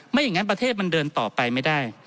อย่างนั้นประเทศมันเดินต่อไปไม่ได้